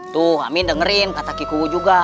tuh amin dengerin kata kikuu juga